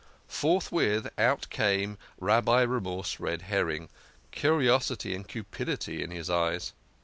Forthwith out came Rabbi Remorse Red her ring, curiosity and cupidity in his eyes.